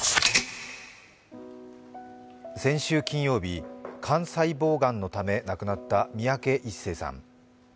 先週金曜日、肝細胞がんのため亡くなった三宅一生さん。